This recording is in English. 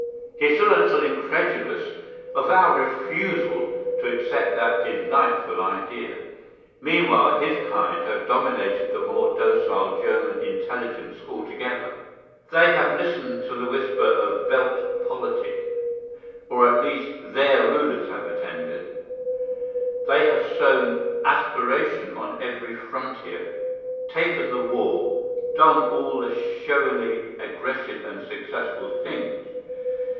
He is still a little incredulous of our refusal to accept that delightful idea. Meanwhile his kind have dominated the more docile German intelligence altogether. They have listened to the whisper of Welt Politik, or at least their rulers have attended; they have sown exasperation on every frontier, taken the wall, done all the showily aggressive and successful things.